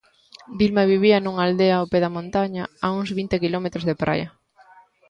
Dilma vivía nunha aldea ao pé da montaña, a uns vinte quilómetros de Praia.